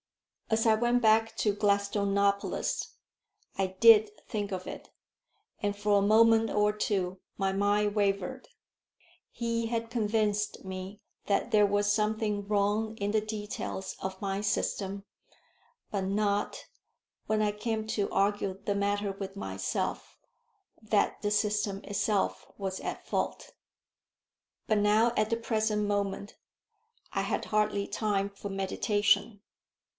As I went back to Gladstonopolis, I did think of it, and for a moment or two my mind wavered. He had convinced me that there was something wrong in the details of my system; but not, when I came to argue the matter with myself, that the system itself was at fault. But now at the present moment I had hardly time for meditation.